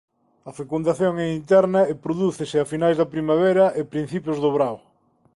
A fecundación é interna e prodúcese a finais da primavera e principios do verán.